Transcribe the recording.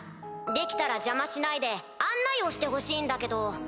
できたら邪魔しないで案内をしてほしいんだけど。